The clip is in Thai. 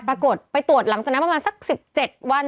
ปรากฏไปตรวจหลังจากนั้นประมาณสัก๑๗วัน